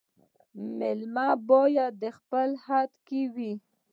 مېلمه باید په خپل حد کي وي